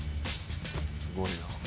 すごいな。